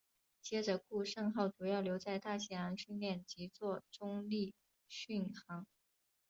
接着顾盛号主要留在大西洋训练及作中立巡航。